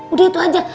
udah itu aja